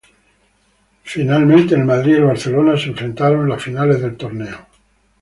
Finalmente, Savage y DiBiase se enfrentaron en las finales del torneo.